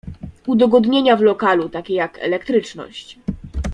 Udogodnienia w lokalu takie jak elektryczność.